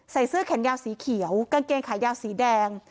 เสื้อแขนยาวสีเขียวกางเกงขายาวสีแดง